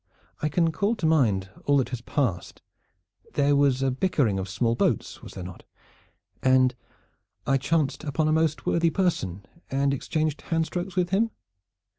I can call to mind all that has passed. There was a bickering of small boats, was there not, and I chanced upon a most worthy person and exchanged handstrokes with him?